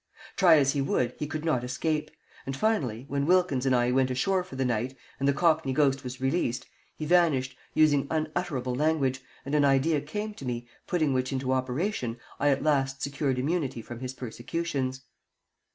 Try as he would, he could not escape, and finally, when Wilkins and I went ashore for the night, and the cockney ghost was released, he vanished, using unutterable language, and an idea came to me, putting which into operation, I at last secured immunity from his persecutions.